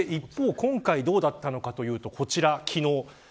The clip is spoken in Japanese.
一方、今回どうだったのかというと、こちらです。